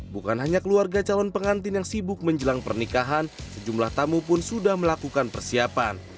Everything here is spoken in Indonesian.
bukan hanya keluarga calon pengantin yang sibuk menjelang pernikahan sejumlah tamu pun sudah melakukan persiapan